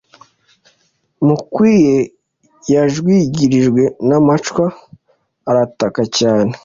Mukwiye yajwigirijwe n’amacwa arataka cyane